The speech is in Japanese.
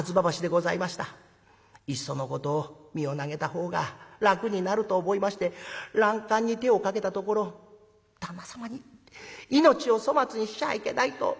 いっそのこと身を投げたほうが楽になると思いまして欄干に手をかけたところ旦那様に命を粗末にしちゃいけないと助けられたんでございます。